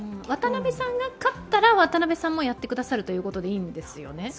渡辺さんが勝ったら、渡辺さんもやってくださるということでいいんですね？